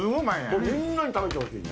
これ、みんなに食べてほしいね。